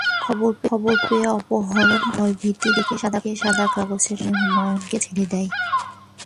খবর পেয়ে অপহরণকারীরা ভয়ভীতি দেখিয়ে সাদা কাগজে স্বাক্ষর নিয়ে হুমায়ুনকে ছেড়ে দেয়।